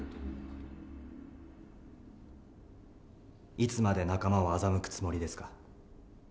いつまで仲間を欺くつもりですか？